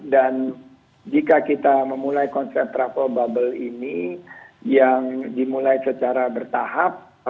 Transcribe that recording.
dan jika kita memulai konsep travel bubble ini yang dimulai secara bertahap